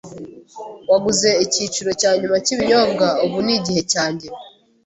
Waguze icyiciro cya nyuma cyibinyobwa. Ubu ni igihe cyanjye.